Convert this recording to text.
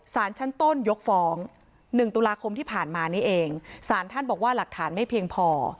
สารชั้นต้นยกฟ้อง๑ตุลาคมที่ผ่านมานี้เองสารท่านบอกว่าหลักฐานไม่เพียงพอ